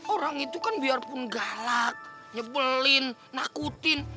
orang itu kan biarpun galak nyebelin nakutin